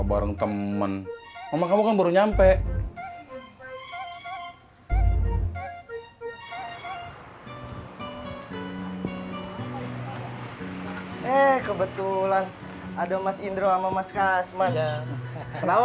di warung temen mama kamu kan baru nyampe eh kebetulan ada mas indro ama mas kasman kenapa